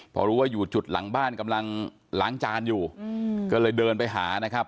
พอรู้ว่าอยู่จุดหลังบ้านกำลังล้างจานอยู่ก็เลยเดินไปหานะครับ